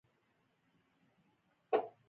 غواړم چې خبره ورسره سپينه کم.